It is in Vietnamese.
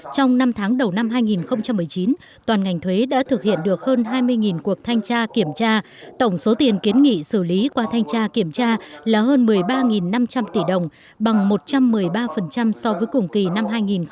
trong năm tháng đầu năm hai nghìn một mươi chín toàn ngành thuế đã thực hiện được hơn hai mươi cuộc thanh tra kiểm tra tổng số tiền kiến nghị xử lý qua thanh tra kiểm tra là hơn một mươi ba năm trăm linh tỷ đồng bằng một trăm một mươi ba so với cùng kỳ năm hai nghìn một mươi tám